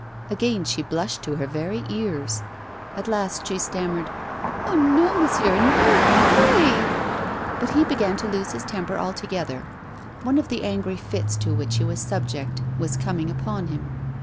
Again she blushed to her very ears. At last she stammered, 'Oh, no, monsieur, no pray!' But he began to lose his temper altogether. One of the angry fits to which he was subject was coming upon him.